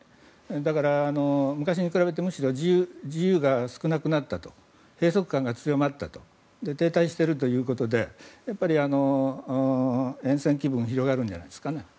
だから、昔に比べてむしろ自由が少なくなったと閉塞感が強まったと停滞しているということでえん戦気分が広がるんじゃないですかね。